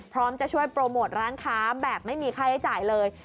พร้อมจะช่วยโปรโมทร้านค้าแบบไม่มีค่าใช้จ่ายเลย